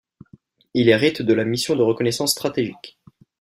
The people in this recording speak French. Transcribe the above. Il hérite de la mission de reconnaissance stratégique.